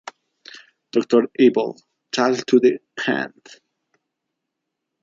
Dr Evil: Talk to the hand.